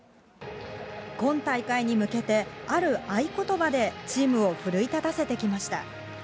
今大会に向けてある合言葉でチームを奮い立たせてきました。